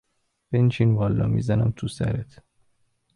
بنشین والا میزنم تو سرت.